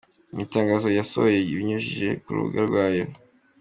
Mu itangazo yasohoye ibinyujije ku rubuga rwayo.